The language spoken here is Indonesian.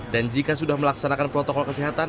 dan jika sudah melaksanakan protokol kesehatan